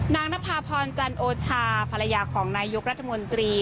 นภาพรจันโอชาภรรยาของนายยกรัฐมนตรี